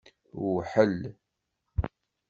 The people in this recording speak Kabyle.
Wḥel.